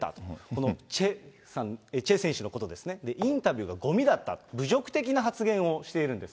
このチェ選手のことですね、インタビューがごみだった、侮辱的な発言をしているんです。